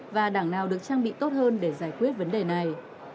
và đảng nào được trang bị tốt hơn để giải quyết vấn đề này